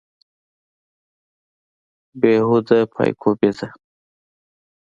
بې هوده پایکوبي ده.